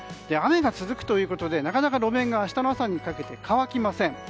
雨が続くということでなかなか路面が明日の朝にかけて乾きません。